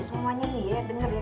semuanya nih ya